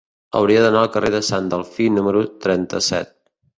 Hauria d'anar al carrer de Sant Delfí número trenta-set.